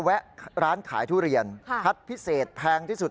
แวะร้านขายทุเรียนพัดพิเศษแพงที่สุด